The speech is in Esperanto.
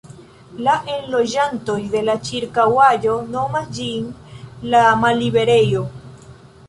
La enloĝantoj de la ĉirkaŭaĵo nomas ĝin "la malliberejo".